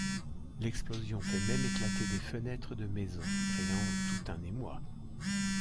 L’explosion fait même éclater des fenêtres de maisons, créant tout un émoi.